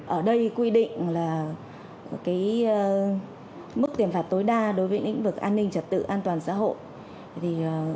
ở đây quy định là mức tiền phạt tối đa đối với lĩnh vực an ninh trật tự an toàn xã hội